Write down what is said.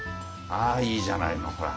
あいいじゃないのほら。